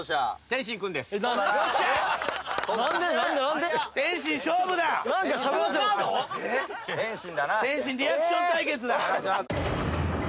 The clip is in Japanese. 天心リアクション対決だ。